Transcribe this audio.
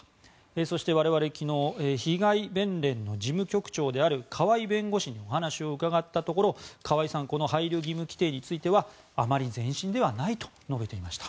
そして我々昨日、被害弁連の事務局長である川井弁護士にお話を聞いたところ川井さんこの配慮義務規定についてはあまり前進ではないと述べていました。